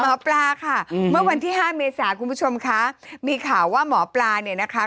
หมอปลาค่ะเมื่อวันที่ห้าเมษาคุณผู้ชมคะมีข่าวว่าหมอปลาเนี่ยนะคะ